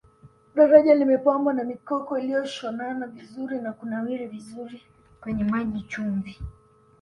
daraja limepambwa na mikoko iliyoshonana vizuri na kunawiri vizuri kwenye maji chumvi